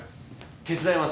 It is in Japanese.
手伝います。